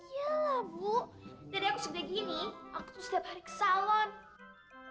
iya lah bu dari aku segini aku tuh setiap hari ke salon